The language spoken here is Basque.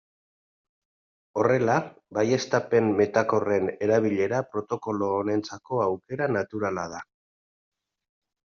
Horrela, baieztapen metakorren erabilera protokolo honentzako aukera naturala da.